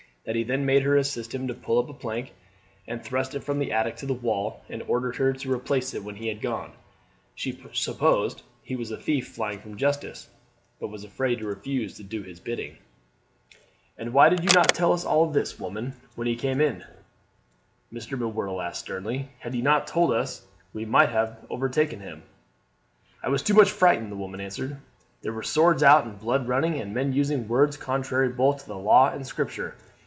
That he then made her assist him to pull up a plank, and thrust it from the attic to the wall, and ordered her to replace it when he had gone. She supposed he was a thief flying from justice, but was afraid to refuse to do his bidding. "And why did you not tell us all this, woman, when we came in?" Mr. M'Whirtle asked sternly. "Had ye told us we might have overtaken him." "I was too much frightened," the woman answered. "There were swords out and blood running, and men using words contrary both to the law and Scripture.